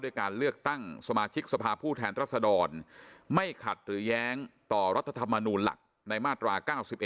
การเลือกตั้งสมาชิกสภาพผู้แทนรัศดรไม่ขัดหรือแย้งต่อรัฐธรรมนูลหลักในมาตรา๙๑